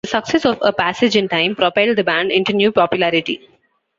The success of "A Passage In Time" propelled the band into new popularity.